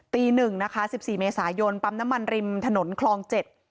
ตีหนึ่งนะคะสิบสี่เมษายนปั๊มน้ำมันริมถนนคลองเจ็ด